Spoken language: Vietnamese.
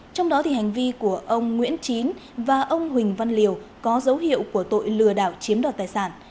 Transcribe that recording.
trong đó thì hành vi của ông nguyễn chín và ông huỳnh văn liều có dấu hiệu của tội lừa đảo chiếm đoạt tài sản